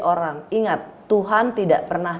orang ingat tuhan tidak pernah